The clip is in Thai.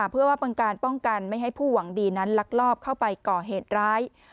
เพื่อว่าเป็นการป้องกันไม่ให้ผู้หวังดีนั้นลักลอบเข้าไปก่อเหตุร้าย